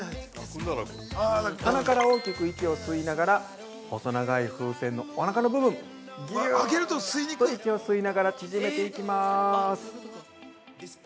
◆鼻から大きく息を吸いながら細長い風船のおなかの部分ぎゅっと息を吸いながら縮めていきます。